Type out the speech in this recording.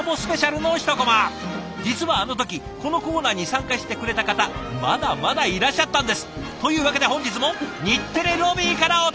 実はあの時このコーナーに参加してくれた方まだまだいらっしゃったんです！というわけで本日も日テレロビーからお届け！